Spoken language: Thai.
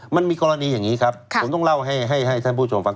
มันมีกรณีอย่างนี้ครับผมต้องเล่าให้ท่านผู้ชมฟัง